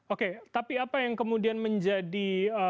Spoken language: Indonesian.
oke tapi apa yang kemudian menjadi